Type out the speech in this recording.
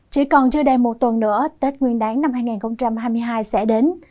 chỉ còn chưa đầy một tuần nữa tết nguyên đáng năm hai nghìn hai mươi hai sẽ đến